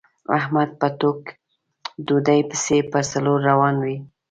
احمد په ټوک ډوډۍ پسې په څلور روان وي.